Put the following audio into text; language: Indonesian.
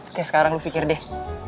oke sekarang lu pikir deh